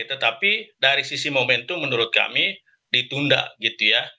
tetapi dari sisi momentum menurut kami ditunda gitu ya